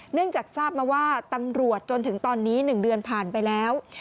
จากทราบมาว่าตำรวจจนถึงตอนนี้๑เดือนผ่านไปแล้ว